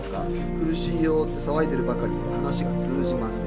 苦しいよって騒いでるばかりで話が通じません。